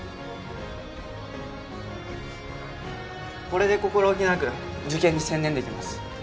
これで心置きなく受験に専念できます。